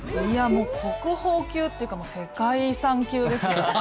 国宝級というか、世界遺産級ですよね。